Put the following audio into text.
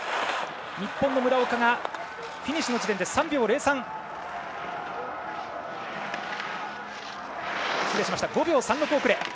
日本の村岡がフィニッシュの時点で５秒３６遅れ。